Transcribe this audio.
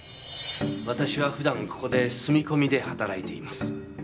私は普段ここで住み込みで働いています。